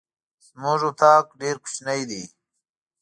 زمونږ اطاق ډير کوچنی ده.